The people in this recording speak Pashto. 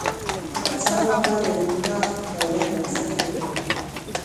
احمدشاه بابا د یو پراخ دولت بنسټ کېښود.